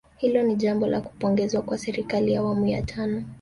Hilo ni jambo la kupongezwa kwa serikali ya awamu ya tano